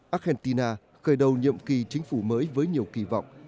argentina khởi đầu nhiệm kỳ chính phủ mới với nhiều kỳ vọng